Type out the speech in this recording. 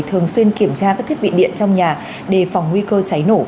thường xuyên kiểm tra các thiết bị điện trong nhà đề phòng nguy cơ cháy nổ